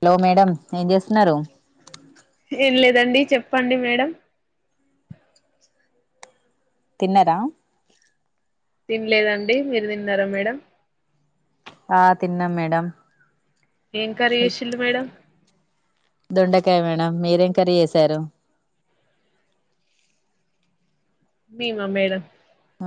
Hello madam ఏం చేస్త ఏం లేదండి చెప్పండి మేడం తిన్నరా తినలేదండి మీరు తిన్నారా మేడం ఆ తిన్నాం మేడం ఏం కరీ చేసిళు మేడం కా మేడం మీరేం కర్రి చేసారు మేమా మేడం ఆ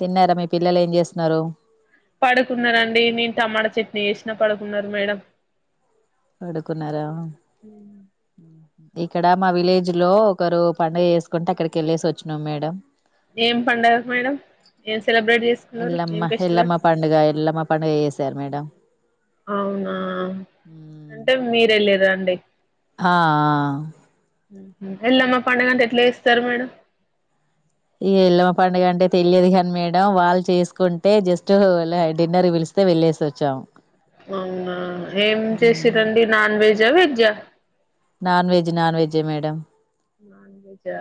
తిన్నారా? మీ పిల్లలు ఏం చేస్తున్నారు? పడుకున్నారండి నేను టమాటా చట్నీ వేసినా పడుకున్నారు మేడం. పడుకున్నారా? మ్ ఇక్కడ మా విలేజ్ లో ఒకరు పండుగ చేసుకుంటే అక్కడికి వెళ్ళేసి వచ్చినాం మేడం. ఏం పండగ మేడం ఏస్ ఎల్లమ్మ హేల్లమ్మ పండుగ ఎల్లమ పండుగ చేసారు మేడం అవునా అంటే మీరెళ్ళారా అండి హ ఆ మ్ హు ఎల్లమ్మ పండుగంటె ఎట్ల చేస్తారు మేడం? ఇగ ఎల్లమ్మ పండుగంటే తెల్యదు కానీ మేడం వాళ్ళు చేసుకుంటే జస్ట్ అలా డిన్నర్ కి పిలిస్తే వెళ్ళేసొచ్చాము. అవునా ఏం చేసిర్రండి నాన్ వెజ్ జ వెజ్జ నాన్ వెజ్ నాన్ వెజ్జె మేడం. నాన్ వెజ్జా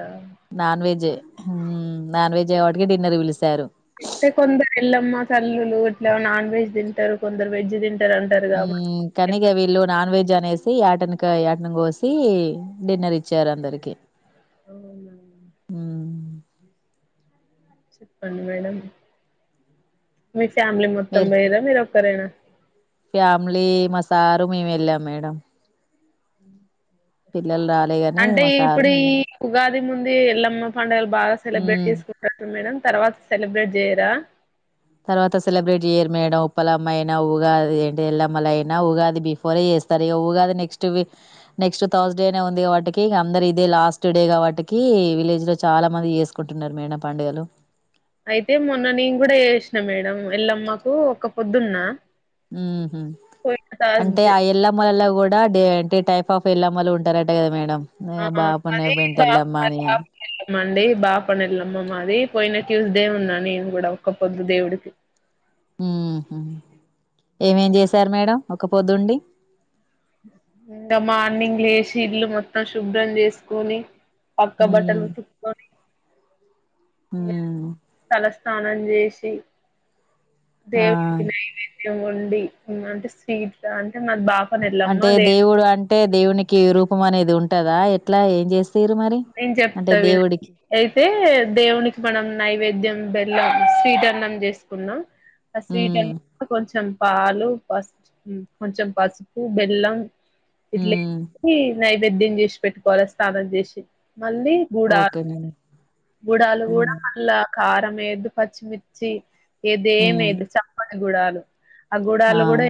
మ్మ్ నాన్ వెజ్ కాబటికే డిన్నర్కి పిలుస్తారు. అయితే కొందరు ఎల్లమ్మ తల్లులు ఇట్లా నాన్ వెజ్ తింటారు కొందరు వెజ్ తిన్ మ్మ్ తనిగ వీళ్ళు నాన్ వెజ్ అనేసి యాటని క యాటను కోసి డిన్నర్ ఇచ్చారు అందరికి. అవునా మ్మ్ చెప్పండి మేడం మిస్ ఫ్యామిలీ మొత్తం మీరు పోయిర్రా మీరు సరేనా ఫ్యామిలీ మా సారు మేమెల్లాం మేడం. మ్ పిల్లలు రాలే గాని మా సారు నేనె ది ముందు ఈ ఎల్లమ్మ పండగలు బాగా సెలబ్రేట్ హ్మ్. చేసుకుంటాండ్రు మేడం తర్వాత సెలబ్రేట్ చేయరా తర్వాత సెలబ్రేట్ చెయ్యరు మేడం. ఉప్పలమ్మ అయినా, ఊగాది, ఏంటి ఎల్లమ్మలయినా ఉగాది బిఫోరే చేస్తారు ఇగ. ఊగాది నెక్స్ట్ వి నెక్స్ట్ థర్స్ డేనే ఉంది కాబట్టికి ఇగ అందరు ఇదే లాస్ట్ డే కాబట్టికి, విలేజ్ లో చాలా మంది చేసుకుంటున్నారు మేడం పండుగలు. అయితే, మొన్న నేను కూడ చేసిన మేడం ఎల్లమ్మకు ఒక్కపొద్దున్నా. మ్మ్ హు అంటే ఆ ఎల్లమ్మలల్లో కూడా డే అంటె టైప్ ఆఫ్ ఎల్లమ్మలు ఉంటారంట కదా మేడం ఆ బాపన్న అది పెంట సామ్ ఎల్లమ్మ మా అని అని సామ్కెళ్ళామండి. బాపనెల్లమ్మ మాది పోయిన ట్యూస్డే ఉన్నా నేన్ కూడా ఒక్కపొద్దు దేవుడుకి. ఉహు ఏమేం చేశారు మేడం ఒక్కపొద్దుండి? ఇంగ మార్నింగ్ లేసి ఇల్లు మొత్తం శుభ్రం చేసుకొని, అక్క బట్టలు ఉతుకొని హ స్నాానం చేసిి ఆ దేవునీకి నైవేద్యం ఉండి అంటే స్వీట్ అంటే మా బాబ అంటే దేవుడు అంటే దేవునికి రూపం అనేది ఉంటుంది ఉంటదా ఎట్లా ఏం చేస్త నేను చెప్తా వినండి అయితే దేవునికి మనం నైవేద్యం బెల్లం స్వీటన్నం చేసుకున్నాం ఆ స్వీట్ ఉమ్ అ కొంచెం పాలు పసు కొంచెం పసుపు బెల్లం ఇట్లే ఉమ్ నైవేద్యం చేసి పెట్టుకోవాలి స్నానం చేసి మళ్ళీ గుడాలు ఓకేనండి గుడాలు కూడా ఉమ్ మళ్ళా కారం ఎద్దు పచ్చిమిర్చి ఉమ్ ఇదిమిది చప్పం గ గుడలు ఆ గుూడలు కూడా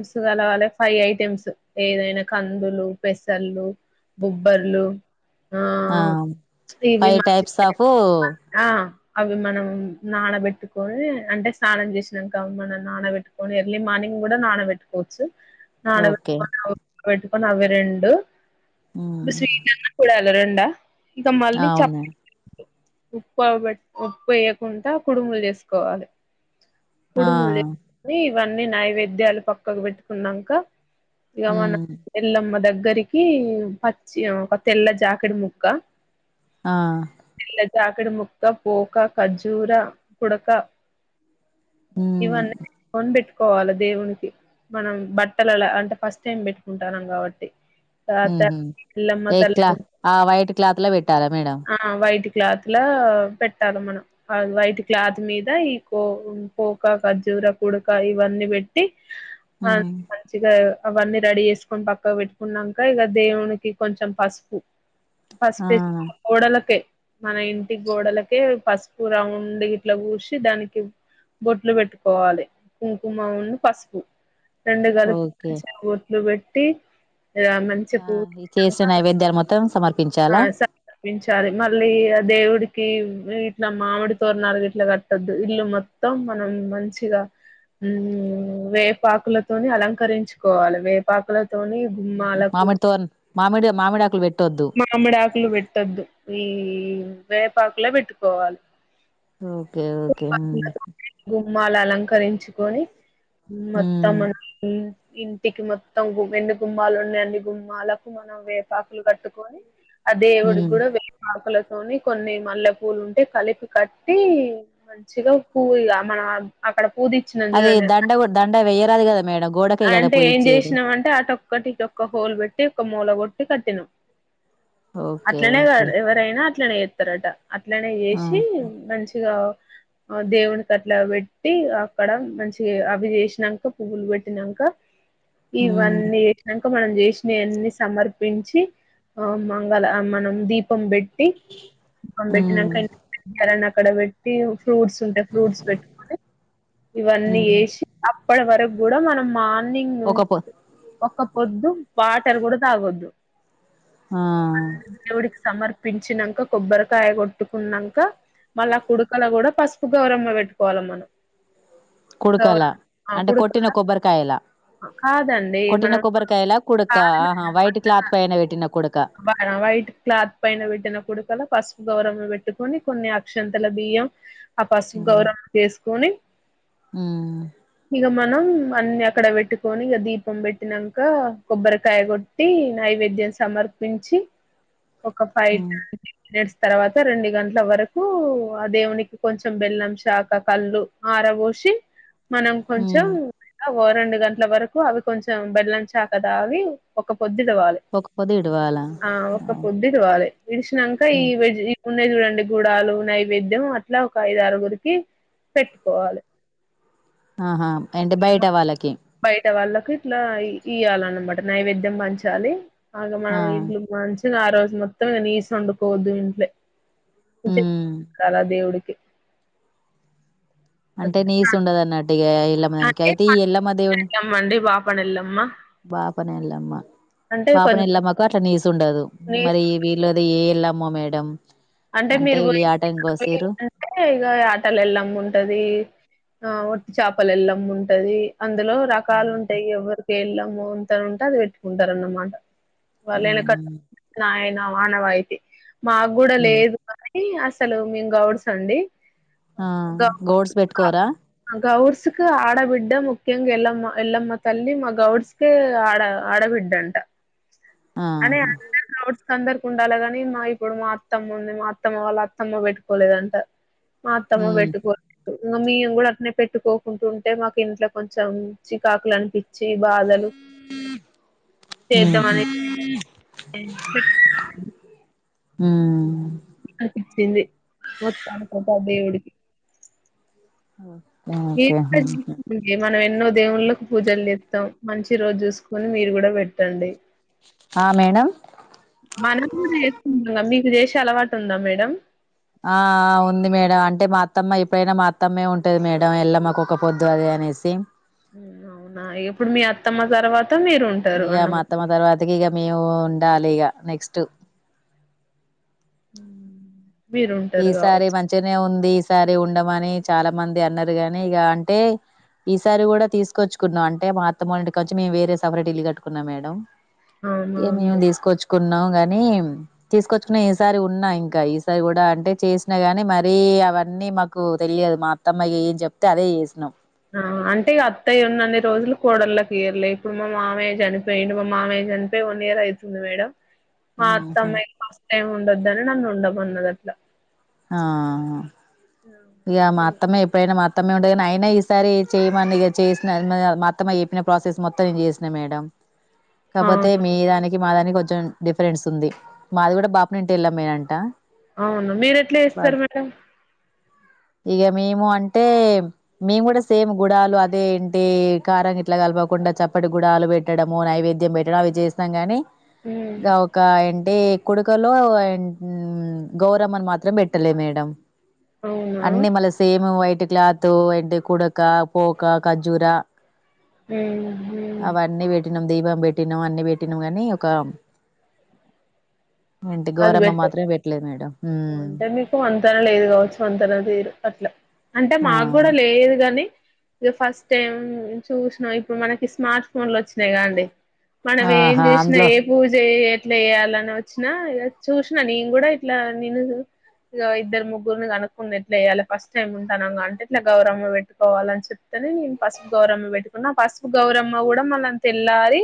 మ్స్ కలవాలే ఫైవ్ ఐటెమ్స్ ఏదైనా కందులు పెసర్ళు బుబ్బర్లు ఆ ఫైవ్ మంచి టైప్స్ ఆఫ్ ఆ అవి మనం నానబెట్టుకొని అంటే స్నానం చేసినాం కా మనం నానబెట్టుకొని ఎర్లీ మార్నింగ్ కూడా నానబెట్టుకోవచ్చు ఓకే పెట్టుకని అవి రెండు ఉమ్ బస్వీట్ అన్న ఎలరుంట ఇంక మళ్ళీ అవును చెప్ప ఉప్పు బట్ ఉప్పు వేయకుండా కుడుంగలు చేసుకోవాలి ఆ కుడుములు ఇవన్నీ నైవేద్యాలు పక్కకు పెట్టుకున్నాక ఇమనా ఉమ్ ఎలమ్ మ దగ్ దగ్గరికి పచ్చి తెల్ల జాకడ ముక్క ఆ చాకడ ముక్క పోూకా కజూర పుడక మ్మ్ ఇవ్వాళ రండి పోవాల దేవునికి మనం బట్టలల అంటే ఫస్ట్ టైం పెట్టుకుంటానం కాబట్టి తర్వాత మ్హు ఎల్లమ్మ ఏ తల్లి ఆ వైట్ క్లాత్ లో పెట్టి ఆ వైట్ క్లాత్లో పెట్టాలి మనం, వైట్ క్లాత్ మీద ఈ కో పోక ఖర్జూర పుడక ఇవన్నీ పెట్టి ఆ మ్మ్ మంచిగా అవన్నీ రెడీ చేసుకొని పక్క పెట్టుకున్నాక ఇక దేవునికి కొంచెం పసుపు ఆ పసుపు వేసి కోడలకే మన ఇంటి గోడలకే పసుపు రౌండ్ ఇట్లా పూసి దానికి బొట్లు పెట్టుకోవాలి కుంకుమ పసుపు రెండు గడప ఓకే బొట్టు బెట్టి ఆ ఈ చేసిన నైవేద్యాలు మొత్తం సమర్ప ఆ సమార్పించాలి మళ్ళీ ఆ దేవుడి ఇట్లా మామిడి తోరణాలు ఇట్లా కట్టద్దు ఇల్లు మొత్తం మనం మంచిగా ఉ వేపాకులతోని అలంకరించుకోవాలి వేపాకుల మామిడితో మామిడి మావిడాకులు పే మామిడి ఆక్లు పెట్టద్దు వేపాకులో పేట్టుకోవాలి ఓకే ఓకే మాల అలంకరించుకొని మ్మ్ మొత్తము ఉ ఇంటికి మొత్తం గు ఎన్ని గుమ్మాలు ఉన్నాయి అన్ని గుమ్మాలకు మనం వేపాకులు కట్టు కో ఆ దేవుడికి మ్మ్ కూడా వేపాకుల కొన్ని మల్లె పూలు ఉంటే కలిపి కట్టి మంచిగా పూగా మన అక్కడ పూదిచ్చినాం అది చూడండి దండ కూడా దండ వెయ్యరాదు కదా మేడం గోడకే కదా అంటే ఏం పూజిచ్చేది చేసినాం అంటే అటోక్కట్టి ఇటోక్క హోల్ పెట్టి ఒక మూల కొ కట్టను ఓకే అట్లనే ఓకే కాదు ఎవరైనా ఇట్లే పెడతారట అట్లనే ఆ వేసి మంచిగా ఆ దేవునికి అట్లా పెట్టి అక్కడ మంచి అవి చేసినంక పువ్వులు పెట్టినంక మ్మ్ ఇవన్నీ ఆ మనం చేసినయన్ని సమర్పించి ఆ మంగళ మనం దీపం పెట్ ట్టి దీపం మ్మ్ పెట్టినంక ఇంక [inaudible] అక్కడ పెట్టి ఫ్రూట్స్ ఉంటాయి ఫ్రూట్స్ పెట్టుకొ ని ఇవన్నీ మ్మ్ వేసి ఇప్పటి వరకు కూడా మనం మా ర్నింగ్ ఒక పొ ఒక్క పొద్దు వాటర్ కూడా తాగొద్దు ఆ సమర్పించినంక కొబ్బరికాయ కొట్టుకున్నాక మళ్ళా కుడుకల కూడా పసుపు గౌరమ్మ పెట్టుకోవాల మనం కుడుకలా గౌరమ్మ అంటే కుడుక కొట్టిన కొబ్బరికాయలా కాదండి కొట్టిన మనం కొబ్బరికాయలా కుడుక ఆ వైట్ క్లాత్ పైన పెట్టిన కుడ బా వైట్ క్లాత్ పైన వేటినపు డుకల ఫస్ గౌరమ్మను పెట్టుకుొని కొన్ని అక్షంతల బియ్యం ఆ పసుపు ఉమ్ గౌరమ్మ ను చేసుకోని ఉమ్ ఇగ మనం అన్ని అక్కడ పెట్టుకొని ఇక దీపం పెట్టినాక కొబ్బరికాయ కొట్టి నైవేద్యం సమర్ప వించి ఒక ఫైవ్ ఉమ్ ట్ంటీ మినిట్స్ తర్వాత రెండు గంటల వరకు ఆ దేవునికి కొంచెం బెల్లం శాక కళ్ళు ఆరబోసి మనం కొంచెం ఉమ్. ఓ రెండు గంటల వరకు అవి కొంచెం బెళ్ళంచా కదా అవి ఒక పొద్దుటవాలి ఒక్క పొద్ ఇడవాలా దూవాలే విడిచినంక ఈ వెజ్ ఇ ఉన్నాయి చూడండి గుూడాలు నైవేద్యం అట్లా ఒక ఐదారుగురికి పెట్టుకోవాలే ఆహా ఇంటి బయట వాళ్ళకి కీ ఇట్ట వాళ్ళలకు ఇట్లా ఇయ్వాలన్నమాట నైవేద్యం పంచాలి ఆల్ ఆ మనం ఇడ్లుగ్ వాంచి ఆ రోజు మొత్తం నీసు వండుకోవద్దు ఇంట్లే చి ఉమ్ కాలదేవు డుకి అంటే నీస్ ఉండదన్నట్టు ఇ ఎల్ మనికి అయితే ఈ ఎలమదేవుని పనలమ్మా బాపని ఎల్లమ్మ బాపని కొంచెం ఎల్లమ్మకు అట్లా నీస్ ఉండదు నీస్ మరి ఈ వీళ్ళద ఏ ఎలమ అమ్మో మేడం అంటే మీరు వీళ్ళు పోయి యాటానికి కోసిర్రు అంటే ఇక ఆటలు ఎళ్ళమ్మ ఉంటది ఆ వట్టి చేపలు ఎల్లమ్ ఉంటది అందులో రకాలు ఉమ్ ఉంటాయి ఎవరికేళ్ళ ంతన ఉంటే అది పెట్టుకుంటారన్నమాట వాళ్ళే ఉమ్ కట్టనా లయన మానవా అయితే మా కూడా ఉమ్. లేదు కాని అస అసలు మేము గౌడ్స్ అండి ఆ గౌడ్స్బ్ వెట్కోరా క ఆడబిడ్డ ముఖ్యంగా ఎల్లమ్మ ఎల్లమ్మ తల్లి మా గౌడ్స్ ఆడ ఆడబిడ్డ అంట ఆహా కందర్ కుండాలగాని మా ఇప్పుడు మా అత్తమ్మ ఉంది మా అత్తమ్మ వాళ్ళ అత్తమ్మ పెట్టుకోలేదంట మాత్తమ్మ ఉమ్ బెటకు వ ఇంకా మేం కూడా అట్నే పెట్టుకోకుంట ఉంటే మాకు ఇంట్లో కొంచెం చికాకులు అనిపి చ్చీ బాధలు ఉహు చేద్దామని ఉమ్ ఇచ్చింది మొత్తానికి ఐతే ఆ దేవుడికి అ [unintelligible] మనం ఎన్నో దేవుళ్ళకి పూజలు చేస్తాం మంచి రోజు చూసుకొని మీరు కూడా పెట్టండి. ఆ మేడం మనం కూడా చేసుకున్నా మీ విదేశ అలవాటు ఉందా మేడంమ్ ఆ ఉంది మేడం అంటే మా అత్తమ్మ ఎప్పుడైనా మా అత్తమ్మే ఉంటది మేడం ఎల్లమ్మకు ఒక పొద్దు అది అనేసి ఆ ఇప్పుడు మీ అత్తమ్మ తర్వాత మీరు ఉంటారు ఇగ మా అన్నమా అత్తమ్మ తర్వాతకి ఇక మేము ఉండాలి ఇగ నెక్స్ట్ మ్మ్ ఈసారి మంచిగానే ఉంది. ఈ సారి ఉండమని చాలా మంది అన్నారు గాని ఇక అంటే ఈసారి కూడా తీసుకొచ్చుకున్నాం అంటే మా అత్తమన్నిటికించెం మేము వేరే సపరేట్ ఇల్లు కట్టుకున్నాం మేడం అవునా ఇ మేము అండి తీసుకొచ్చుకో ఉన్నాం గాని తీసుకొచ్చుకునే సారి ఉన్నా ఇంకా ఈసారి కూడా అంటే చేసినా గాని మరీ అవన్నీ మాకు తెలియదు మా అత్తమ్మా ఏం చెప్తే అదే చేసినాం ఆ అంటే అత్తయ్య ఉన్న అన్ని రోజులు కోడళ్ళకి ఇయర్లే ఇప్పుడు మా మామయ్య చనిపోయిండు మా మామయ్య చనిపోయయి వన్ ఇయర్ అవుతుంది మేడం మా ఉహు అత్తమ్మాయి ఫస్ట్ టైమ్ ఉండో దన్ నన్ను ఉండమని అట్లా ఆ హా ఇగ మా అత్తమ్మ ఎప్పుడైనా మా మా అత్తమ్మె ఉంటది కానీ అయినా ఈసారి చేయమని ఇగ చేసిన మా అత్తమ్మ చెప్పిన ప్రాసెస్ మొత్తం నేను చేసినా మేడం కాపోతే అవును మీ దానికి మా దానికి కొం డిఫరెన్స్ ఉంది మాది కూడా బాపనట్టే ఎల్లెమ్మే అంట అవును మీరు ఎట్లా చేస్తరు మేడం ఇగ మేము అంటే మేము కూడా సేమ్ గుడాలు అదేంటి కారం గింట్ల కలపకుండా చప్పటి గుడాలు పెట్టడము నైవేద్యం పెట్టడం అవి చేస్తాం గాని హ్మ్. గా ఒక ఏ అంటే కుడుకలో గౌరమ్మని మాత్రం పెట్టలే మేడం అవునా అన్నీ మళ్ళ సేమ్ వై ఇంటి క్లాత్, ఎండి కుడకా, పోకా, ఖార్జురా మ్మ్ మ్మ్ పెట్టినాం దీపం పెట్టినం అన్ని పెట్టినం కానీ ఒక ఏంటి అది గౌరమ్మ బెటర్ మాత్రమే పెట్లే మేడం హ్మ్ వంతన తీరు అట్లా అంటే మాకు కూడా లేదు గాని ఇగ ఫస్ట్ టైం చూసినా ఇప్పుడు మనకి స్మార్ట్ ఫోన్లు వచ్చినాయి కా అండి మనం ఏం ఆహా చేసిన అందులో ఏ పూజ ఇట్లా యెయాలని వచ్చినా చూసిన నేను కూడా ఇట్లా నేను ఇద్దరు ముగ్గురిని కనుక్కున ఎట్లా చెయ్యాలి ఫస్ట్ టైమ్ ఉంటానాం గా అంటే ఇట్లా గౌరమ్మ పెట్టుకోవాలిని చెప్తేనే నేను పసుపు గౌరమ్మ పెట్టుకున్నా. పసుపు గౌరమ్మ కూడా మళ్ళ తెల్లారి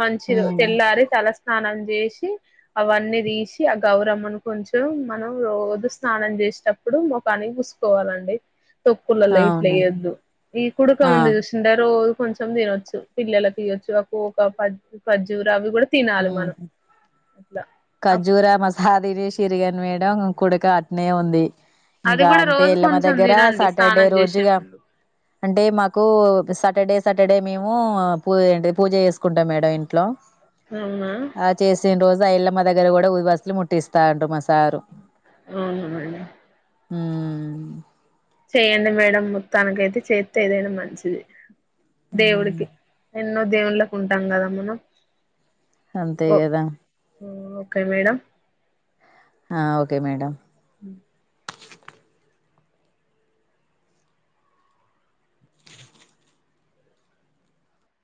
మంచిరో ఉమ్, తెల్లారి తలస్నానం చేసి అవన్నీ తీసి ఆ గౌరమ్మను కొంచెం మనం రోజు స్నానం చేసేటప్పుడు ముఖనికి పూసుకోవాలండి. తొక్కులలో ఇట్ల అవును ఎయొద్దు ఈ కుడుక ఆ, ఉంది చూసిర్రా రోజ్ కొంచెం తినొచ్చు పిల్లలకి ఇయొచ్చు ఆ కోక, ఖార్జురా అవి కూడా తినాలి మనం అట్ల జూరా మసా అది చేసిర్రు గాని మేడం కుడుక అట్నే ఉంది అది ఇంకా కూడా అంటే రోజు ఎల్లమ్మ కొంచెం దగ్గర తినండి సాటర్డే స్నానం చేసే రోజుగా ముందు అంటే మాకు సాటర్డే సాటర్డే మేము పూ ఏంటిది పూజ చేసుకుంటాం మేడం ఇంట్లో అవునా ఆ చేసిన్ రో రైలమ్మ దగ్గర కూడా ఉ వస్లు ముట్టిస్తాండ్రు, మస్ అవ్ న [unintelligible] హు చేయండి మేడం ముత్తానికైతే చేత్తే ఏదైనా మంచిది. ఉమ్ దేవుడికి ఐ ఎన్నో దేవుళ్ళుకు ఉంటాం కదా మనం. ఓ అంతేగదా. Okay madam. అ ఓకే మేడం. అ